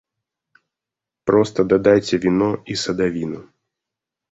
Проста дадайце віно і садавіну.